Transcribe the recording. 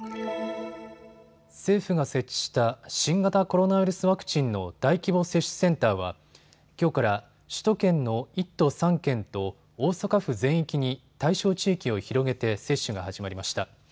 政府が設置した新型コロナウイルスワクチンの大規模接種センターはきょうから首都圏の１都３県と大阪府全域に対象地域を広げて接種が始まりました。